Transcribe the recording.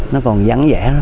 nó còn vắng vẻ